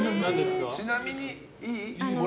ちなみに、いい？